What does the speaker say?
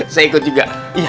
saya ikut juga